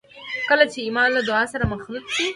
کله چې ایمان له دعا سره مخلوط شي